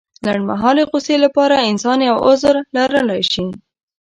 لنډمهالې غوسې لپاره انسان يو عذر لرلی شي.